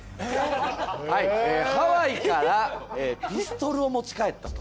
ハワイからピストルを持ち帰ったと。